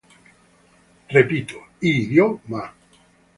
Idioma: